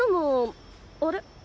あれ？